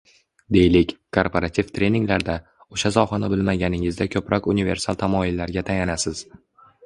Deylik, korporativ treninglarda, oʻsha sohani bilmaganingizda koʻproq universal tamoyillarga tayanasiz